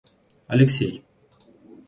Алексей